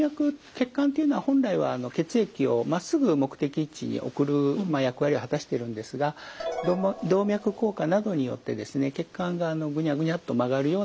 血管っていうのは本来は血液をまっすぐ目的地に送る役割を果たしてるんですが動脈硬化などによってですね血管がグニャグニャッと曲がるような感じ